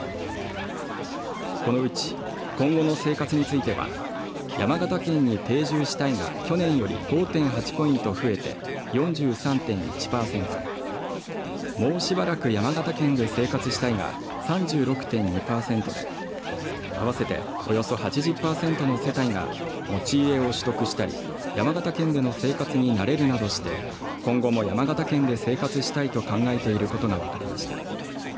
このうち今後の生活については山形県に定住したいが去年より５．８ポイント増えて４３．１％、もうしばらく山形県で生活したいが３６．２％で合わせておよそ８０％の世帯が持ち家を取得したり山形県での生活に慣れるなどして今後も山形県で生活したいと考えていることが分かりました。